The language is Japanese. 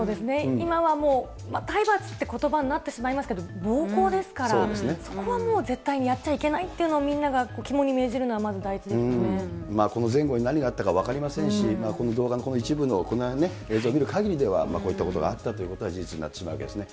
今はもう、体罰ってことばになってしまいますけど暴行ですから、そこはもう絶対にやっちゃいけないっていうのをみんなが肝に銘じるのはまずこの前後に何があったか分かりませんし、この動画の一部の、この映像を見るかぎりでは、こういったことがあったということは事実になってしまうわけですね。